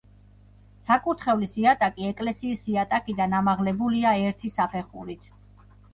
საკურთხევლის იატაკი ეკლესიის იატაკიდან ამაღლებულია ერთი საფეხურით.